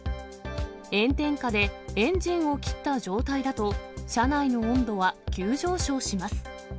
炎天下でエンジンを切った状態だと、車内の温度は急上昇します。